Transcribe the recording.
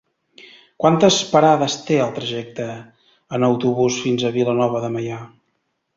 Quantes parades té el trajecte en autobús fins a Vilanova de Meià?